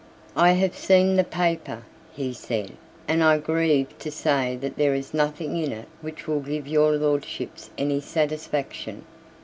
"I have seen the paper," he said; "and I grieve to say that there is nothing in it which will give your Lordships any satisfaction."